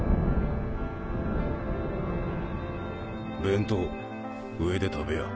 弁当上で食べや。